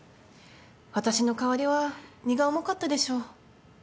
私の代わりは荷が重かったでしょう。